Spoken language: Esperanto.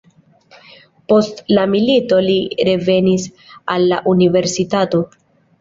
Post la milito li revenis al la universitato.